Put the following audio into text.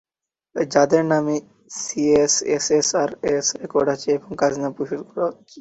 যাঁদের নামে CS, SA, RS record আছে এবং খাজনা পরিশোধ করা হচ্ছে।